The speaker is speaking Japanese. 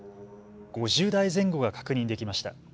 ５０台前後が確認できました。